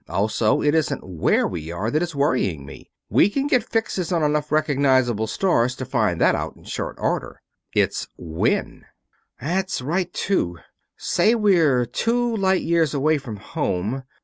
Also, it isn't where we are that is worrying me we can get fixes on enough recognizable stars to find that out in short order it's when." "That's right, too. Say we're two light years away from home.